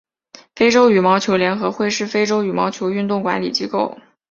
非洲羽毛球联合会是非洲羽毛球运动管理机构。